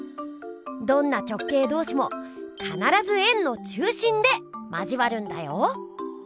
どんな直径同しもかならず円の中心で交わるんだよ。